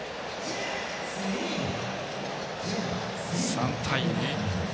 ３対２。